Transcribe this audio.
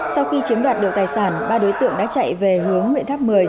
sau khi chiếm đoạt được tài sản ba đối tượng đã chạy về hướng huyện tháp một mươi